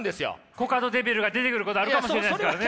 コカドデビルが出てくることあるかもしれないですからね！